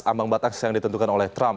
ambang batas yang ditentukan oleh trump